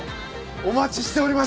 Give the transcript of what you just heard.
お待ちしておりました！